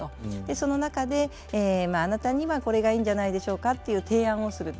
その中であなたにはこれがいいんじゃないでしょうかという提案をすると。